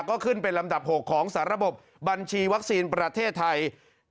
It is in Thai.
ก็ขึ้นเป็นลำดับ๖ของสารบบัญชีวัคซีนประเทศไทย